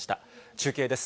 中継です。